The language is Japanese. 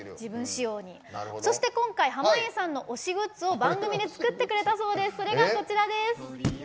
そして、今回濱家さんの推しグッズを番組で作ってくれたそうです。